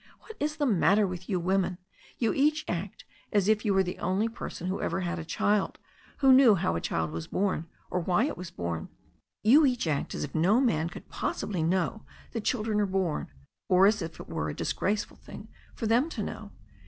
What is the matter with you women? You each act as if you were the only person who ever had a child, who knew how a child was bom or why it was born. You each act as if no man could possibly know that children are born, or as if it were a disgraceful thing for them to know.